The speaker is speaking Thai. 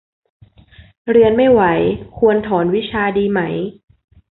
เรียนไม่ไหว ควรถอนวิชาดีไหม